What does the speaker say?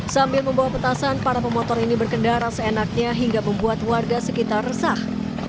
sambil membawa petasan para pemotor ini berkendara seenaknya hingga membuat warga sekitar resah